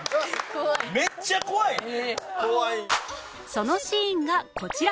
そのシーンがこちら